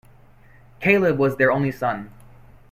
Caleb was their only son.